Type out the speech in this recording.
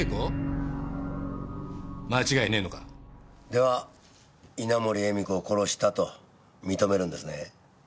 では稲盛絵美子を殺したと認めるんですね？